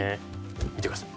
見てください。